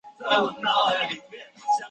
目前仅有军用飞机使用。